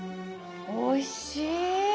おいしい！